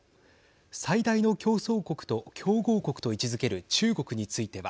最大の競合国と位置づける中国については。